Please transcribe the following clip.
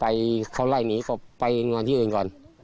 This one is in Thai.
ไปเขาไล่หนีก็ไปนอนที่อื่นก่อน